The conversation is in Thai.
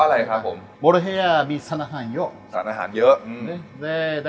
ก็อะไรครับผมโมโรเฮยะมีสารอาหารเยอะสารอาหารเยอะอืมแต่แต่